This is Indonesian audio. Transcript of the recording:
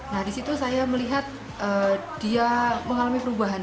nah di situ saya melihat dia mengalami perubahan